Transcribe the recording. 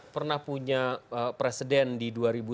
pernah punya presiden di dua ribu sembilan belas